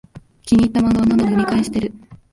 気に入ったマンガは何度も読み返してる